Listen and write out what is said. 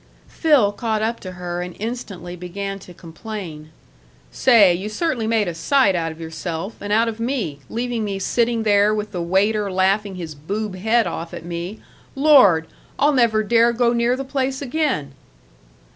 Phil caught up to her and instantly began to complain. "Say, you certainly made a sight out of yourself and out of me leaving me sitting there with the waiter laughing his boob head off at me. Lord! I'll never dare go near the place again."